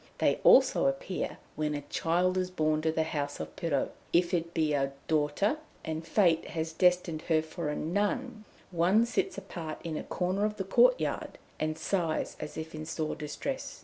They also appear when a child is born to the house of Pirou; if it be a daughter, and Fate has destined her for a nun, one sits apart in a corner of the courtyard, and sighs as if in sore distress.